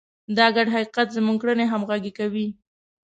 دا ګډ حقیقت زموږ کړنې همغږې کوي.